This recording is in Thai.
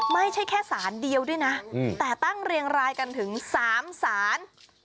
ไม่ใช่แค่สารเดียวด้วยนะแต่ตั้งเรียงรายกันถึง๓ศาล